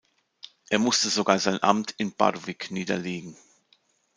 Er musste sogar sein Amt in Bardowick niederlegen.